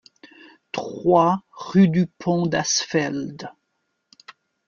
trois rue du Pont d'Asfeld